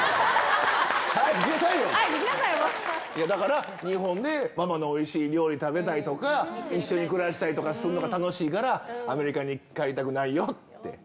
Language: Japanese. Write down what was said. だから日本で、ママのおいしい料理食べたりとか、一緒に暮らすのが楽しいから、アメリカに帰りたくないよって。